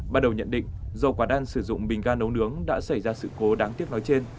ban đầu nhận định dầu quả đan sử dụng bình ga nấu nướng đã xảy ra sự cố đáng tiếc nói trên